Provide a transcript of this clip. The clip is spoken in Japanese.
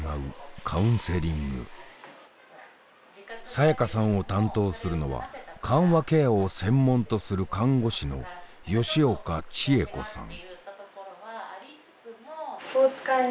さやかさんを担当するのは緩和ケアを専門とする看護師の吉岡千惠子さん。